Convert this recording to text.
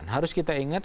harus kita ingat